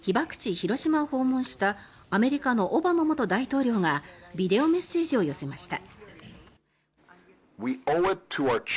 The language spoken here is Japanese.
・広島を訪問したアメリカのオバマ元大統領がビデオメッセージを寄せました。